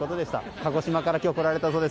鹿児島から今日は来られたそうです。